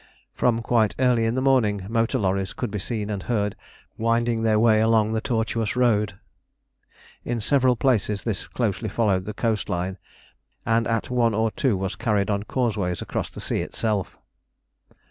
From quite early in the morning motor lorries could be seen and heard winding their way along the tortuous road. In several places this closely followed the coast line, and at one or two was carried on causeways across the sea itself.